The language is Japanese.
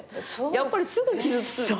やっぱりすぐ傷つく。